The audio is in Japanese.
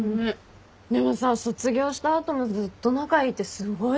でもさ卒業した後もずっと仲いいってすごいよね。